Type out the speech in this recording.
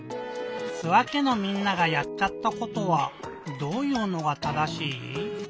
スワ家のみんながやっちゃったことはどういうのが正しい？